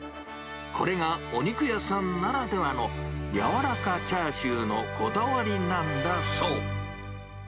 これがお肉屋さんならではのやわらかチャーシューのこだわりなんだそう。